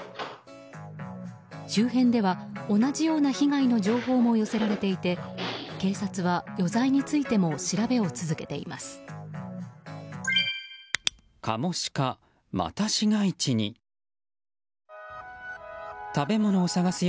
周辺では同じような被害の情報も寄せられていて警察は、余罪についても調べを続けています。